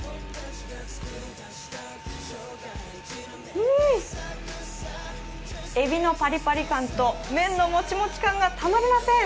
うん、えびのパリパリ感と麺のもちもち感がたまりません。